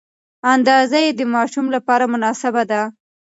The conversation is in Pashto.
اندازه یې د ماشوم لپاره مناسبه ده.